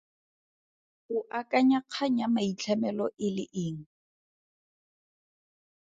O akanya kgang ya maitlhamelo e le eng?